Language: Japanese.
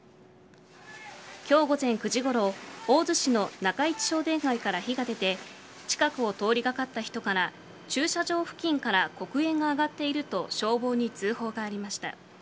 今日午前９時ごろ大洲市の中一商店街から火が出て近くを通りがかった人から駐車場付近から黒煙が上がっていると消防に通報がありました。